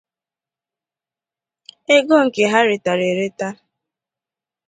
ego nke ha rètàrà ereta